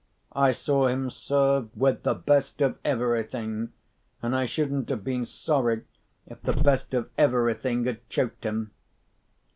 I saw him served with the best of everything—and I shouldn't have been sorry if the best of everything had choked him.